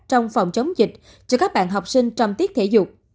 trong phòng chống dịch cho các bạn học sinh trong tiết thể dục